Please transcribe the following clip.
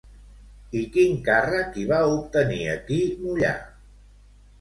I quin càrrec hi va obtenir aquí Mollà?